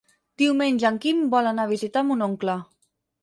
Diumenge en Quim vol anar a visitar mon oncle.